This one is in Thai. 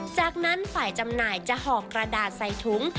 จากนั้นฝ่ายจำหน่ายจะห่อกระดาษใส่ถุง